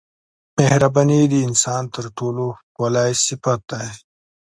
مهرباني د انسان تر ټولو ښکلی صفت دی.